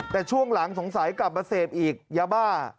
แต่ช่วงหลังสงสัยกลับมาเสพอีกยาบ้า